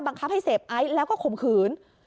บังคับให้เสพอ้ายแล้วก็ขมขืน